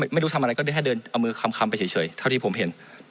ไม่รู้ทำอะไรก็ได้แค่เดินเอามือคำไปเฉยเท่าที่ผมเห็น